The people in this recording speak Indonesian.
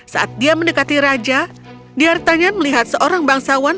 saat dia mendekati raja diartanyan melihat seorang bangsawan